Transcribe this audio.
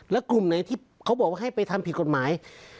แล้วกลุ่มไหนที่เขาบอกว่าให้ไปทำผิดกฎหมาย